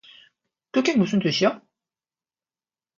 그게 무슨 뜻이야?